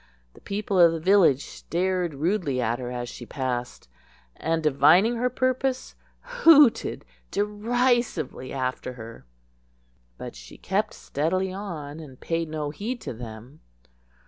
The people of the village stared rudely at her as she passed, and, divining her purpose, hooted derisively after her; but she kept steadily on, and paid no heed to them.